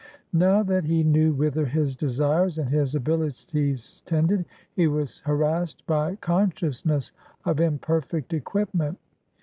Now that he knew whither his desires and his abilities tended, he was harassed by consciousness of imperfect equipment.